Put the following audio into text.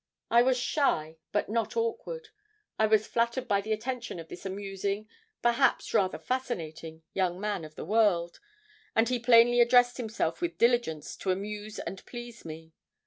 I was shy, but not awkward. I was flattered by the attention of this amusing, perhaps rather fascinating, young man of the world; and he plainly addressed himself with diligence to amuse and please me.